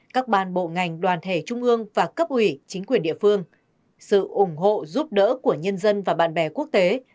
các ban bộ ngành đoàn thể trung ương và cấp ủy chính quyền địa phương sự ủng hộ giúp đỡ của nhân dân và bạn bè quốc tế